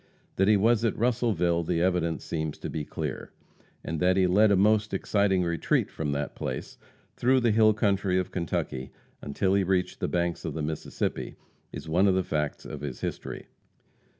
That he was at Russellville the evidence seems to be clear; and that he led a most exciting retreat from that place, through the hill country of Kentucky, until he reached the banks of the Mississippi, is one of the facts of his history.